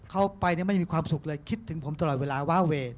เข้าไปไม่มีความสุขเลยคิดถึงผมตลอดเวลาว่าเวย์